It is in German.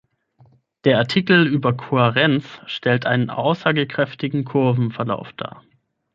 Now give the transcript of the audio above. Der Artikel über Kohärenz stellt einen aussagekräftigen Kurvenverlauf dar.